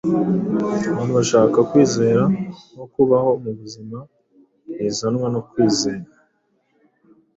Abantu bashaka kwizera no kubaho mu byiza bizanwa no kwizera